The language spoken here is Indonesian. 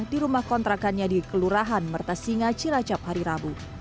di rumah kontrakannya di kelurahan merta singa cilacap harirabu